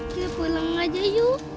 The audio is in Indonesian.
kita pulang aja yuk